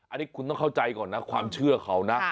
อันนี้คุณต้องเข้าใจก่อนนะความเชื่อเขานะ